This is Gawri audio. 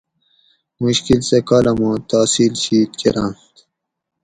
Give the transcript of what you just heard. مشکل سہ کالاماں تحصیل شید کرانت